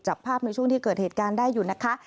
จับภาพในช่วงที่เกิดเหตุการณ์ได้อยู่นะคะ